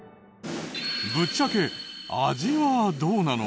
ぶっちゃけ味はどうなの？